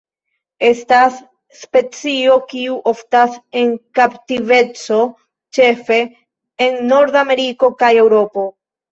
Estas specio kiu oftas en kaptiveco ĉefe en Nordameriko kaj Eŭropo.